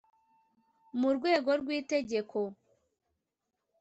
mu rwego rw Itegeko